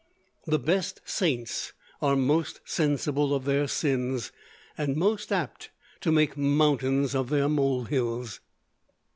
"The best saints are most sensible of their sins, and most apt to make mountains of their molehills."